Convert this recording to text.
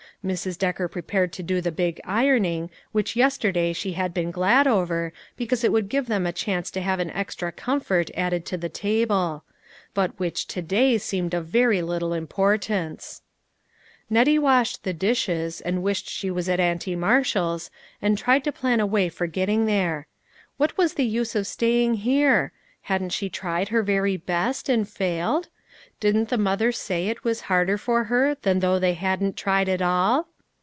Mrs. Decker prepared to do the big ironing which yesterday she had been glad over, because it would give them a chance to have an extra com fort added to the table ; but which to day seemed of very little importance. Nettie washed the dishes, and wished she PLEASURE AND DISAPPOINTMENT. 191 was at Auntie Marshall's, and tried to plan a way for getting there. What was the use of staying here ? Hadn't she tried her very best and failed? didn't the mother say it was harder for her than though they hadn't tried at all?